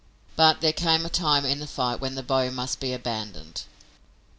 But there came a time in the fight when the bow must be abandoned.